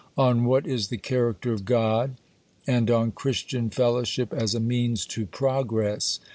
on "What is the Character of God?" and on "Christian Fellowship as a Means to Progress."